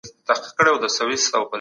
دوی په دي سیمه کي نوي بدلونونه راوستل.